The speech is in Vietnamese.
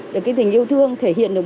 được tình yêu thương thể hiện được